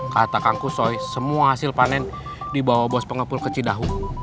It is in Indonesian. kata kang kusoi semua hasil panen dibawa bos pengepul ke cidahu